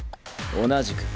同じく。